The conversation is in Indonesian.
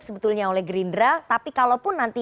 sebetulnya oleh gerindra tapi kalaupun nanti